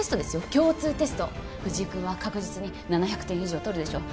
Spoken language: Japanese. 共通テスト藤井君は確実に７００点以上取るでしょう